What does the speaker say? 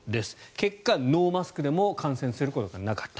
結果、ノーマスクでも感染することがなかった。